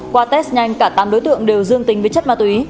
qua test nhanh cả tám đối tượng đều dương tính với chất ma túy